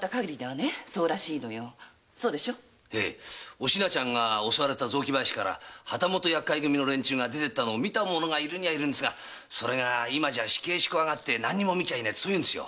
お品ちゃんが襲われた雑木林から旗本厄介組の連中が出てくのを見た者がいるにはいるんですがそれが今じゃあ仕返しを怖がって「何も見ちゃいねえ」って。